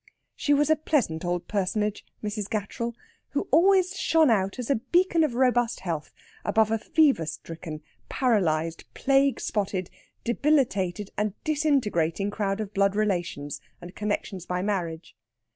She was a pleasant old personage, Mrs. Gattrell, who always shone out as a beacon of robust health above a fever stricken, paralysed, plague spotted, debilitated, and disintegrating crowd of blood relations and connexions by marriage.